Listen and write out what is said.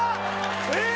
えっ？